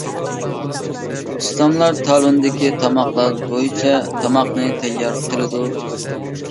ئۇستاملار تالوندىكى تاماقلار بويىچە تاماقنى تەييار قىلىدۇ.